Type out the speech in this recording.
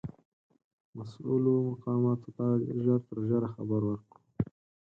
مسؤولو مقاماتو ته ژر تر ژره خبر ورکړو.